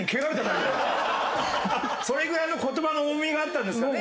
それぐらいの言葉の重みがあったんですかね